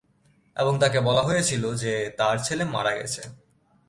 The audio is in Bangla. এবং তাকে বলা হয়েছিল যে তার ছেলে মারা গেছে।